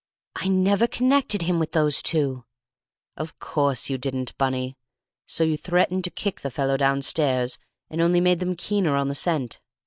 "I never connected him with those two!" "Of course you didn't, Bunny, so you threatened to kick the fellow downstairs, and only made them keener on the scent.